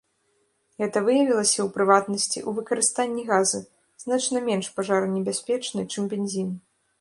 Гэта выявілася, у прыватнасці, у выкарыстанні газы, значна менш пажаранебяспечнай, чым бензін.